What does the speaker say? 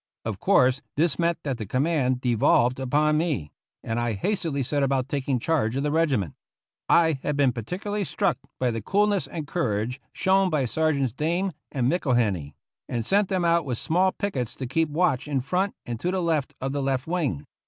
Of course, this meant that the command devolved upon me, and I hastily set about taking charge of the regiment. I had been particularly struck by the coolness and courage shown by Ser geants Dame and Mcllhenny, and sent them out with small pickets to keep watch in front and to the left of the left wing.